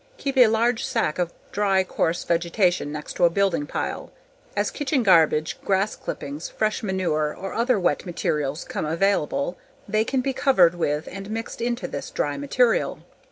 Keep a large stack of dry, coarse vegetation next to a building pile. As kitchen garbage, grass clippings, fresh manure or other wet materials come available the can be covered with and mixed into this dry material.